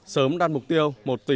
sớm đạt mục tiêu